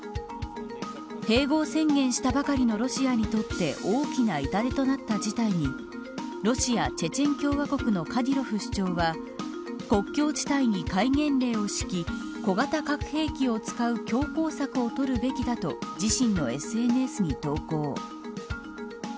併合宣言したばかりのロシアにとって大きな痛手となった事態にロシア、チェチェン共和国のカディロフ首長は国境地帯に戒厳令を敷き小型核兵器を使う強硬策を取るべきだと自身のＳＮＳに投稿。